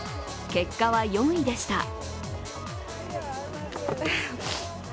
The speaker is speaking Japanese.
結果は４位でした。